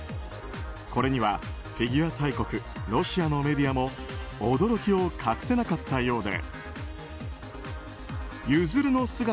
これにはフィギュア大国ロシアのメディアも驚きを隠せなかったようで。